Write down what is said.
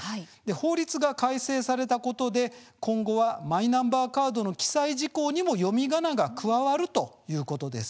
法律が改正されたことで今後はマイナンバーカードの記載事項にも読みがなが加わるということです。